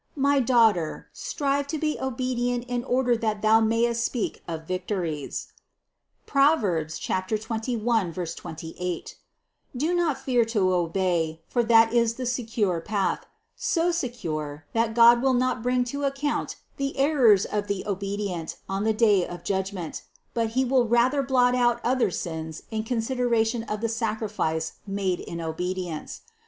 My daughter, strive to be obedient in order that thou mayest speak of victories (Prov. 21, 28) ; do not fear to obey, for that is the secure path ; so secure, that God will not bring to account the errors of the obedient on the day of judgment, but He will rather blot out other sins in consideration of the sacrifice made in obedience.